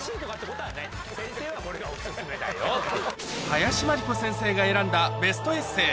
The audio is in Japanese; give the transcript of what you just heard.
林真理子先生が選んだベストエッセー。